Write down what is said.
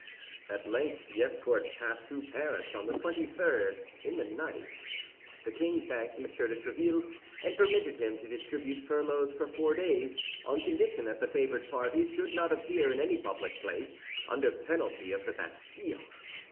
At length the escort passed through Paris on the twenty third, in the night. The king thanked M. de Tréville, and permitted him to distribute furloughs for four days, on condition that the favored parties should not appear in any public place, under penalty of the Bastille.